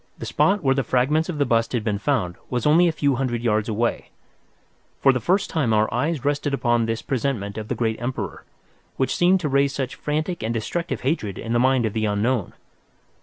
The spot where the fragments of the bust had been found was only a few hundred yards away. For the first time our eyes rested upon this presentment of the great emperor, which seemed to raise such frantic and destructive hatred in the mind of the unknown.